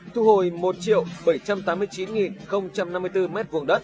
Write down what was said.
thu hồi một triệu bảy trăm tám mươi chín năm mươi bốn m hai